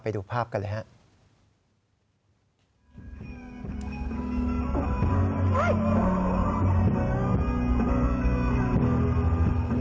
ไปดูภาพกันเลยครับ